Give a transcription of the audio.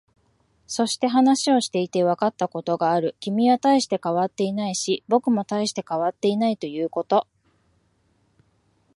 そして、話をしていてわかったことがある。君は大して変わっていないし、僕も大して変わっていないということ。